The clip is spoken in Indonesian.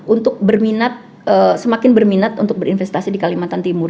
untuk berminat semakin berminat untuk berinvestasi di kalimantan timur